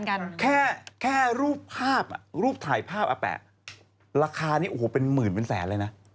แค่แค่รูปภาพอ่ะรูปถ่ายภาพอาแปะราคานี้โอ้โหเป็นหมื่นเป็นแสนเลยนะ